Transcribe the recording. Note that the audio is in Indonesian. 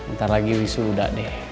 ntar lagi wisu udah deh